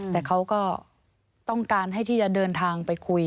แต่เขาก็ต้องการให้ที่จะเดินทางไปคุย